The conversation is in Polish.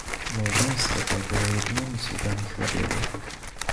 "Małżeństwo to było jedynymi sługami hrabiego."